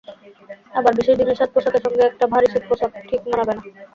আবার বিশেষ দিনের সাজপোশাকের সঙ্গে একটা ভারী শীতপোশাক ঠিক মানাবে না।